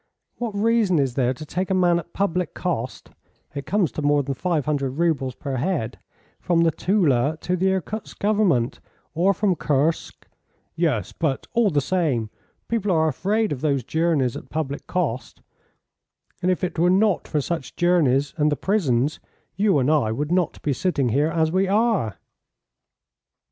What reason is there to take a man at public cost (it comes to more than 500 roubles per head) from the Toula to the Irkoatsk government, or from Koursk " "Yes, but all the same, people are afraid of those journeys at public cost, and if it were not for such journeys and the prisons, you and I would not be sitting here as we are."